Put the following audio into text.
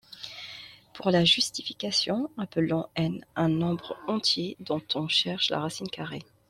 Pour la justification, appelons N un nombre entier dont on cherche la racine carrée.